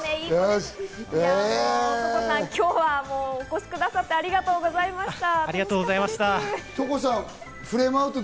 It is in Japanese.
トコさん、今日はお越しくだありがとうございました。